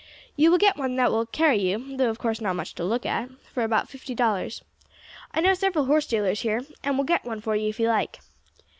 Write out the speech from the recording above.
You will get one that will carry you, though of course not much to look at, for about fifty dollars; I know several horse dealers here, and will get one for you if you like.